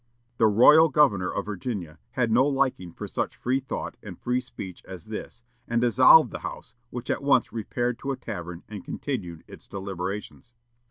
The royal governor of Virginia had no liking for such free thought and free speech as this, and dissolved the House, which at once repaired to a tavern and continued its deliberations.